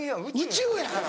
宇宙やから。